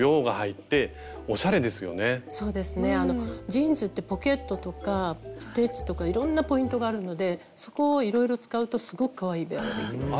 ジーンズってポケットとかステッチとかいろんなポイントがあるのでそこをいろいろ使うとすごくかわいいベアができます。